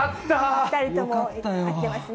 ２人とも合ってますね。